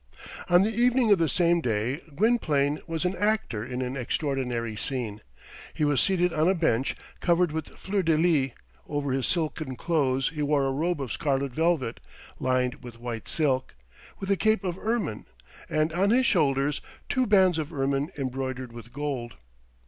On the evening of the same day, Gwynplaine was an actor in an extraordinary scene. He was seated on a bench covered with fleurs de lis; over his silken clothes he wore a robe of scarlet velvet, lined with white silk, with a cape of ermine, and on his shoulders two bands of ermine embroidered with gold.